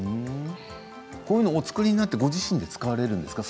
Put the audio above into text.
こういうのをお作りになってご自身で使われるんですか。